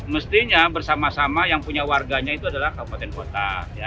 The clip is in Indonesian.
mestinya bersama sama yang punya warganya itu adalah kabupaten kota